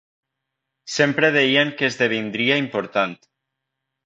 Sempre deien que esdevindria important.